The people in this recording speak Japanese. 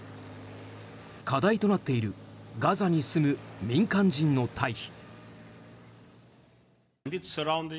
課題となっているガザに住む民間人の退避。